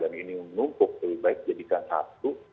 berapa pagi ganda ini menumpuk lebih baik jadikan satu